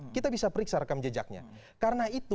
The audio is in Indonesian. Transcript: kita bisa periksa rekam jejaknya karena itu